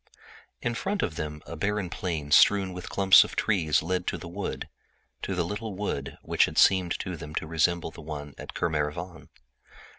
In front of them a barren plain studded with clumps of trees led to the wood, to the little wood which had seemed to them to resemble the one at Kermarivan.